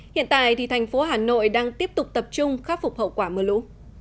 hiện tại thì thành phố hà nội đang tiếp tục tập trung khắc phục hậu quả mưa lũ